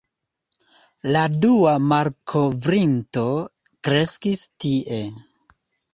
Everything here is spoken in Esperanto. La dua malkovrinto kreskis tie.